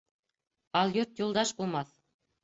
Алйот юлдаш булмаҫ